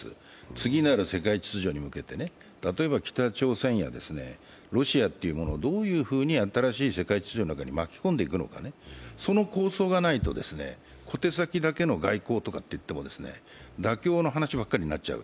次なる世界秩序に向けて、例えば北朝鮮とかロシアをどういうふうに新しい世界秩序の中に巻き込んでいくのか、その構想がないと、小手先だけの外交といっても、妥協の話ばっかりになっちゃう。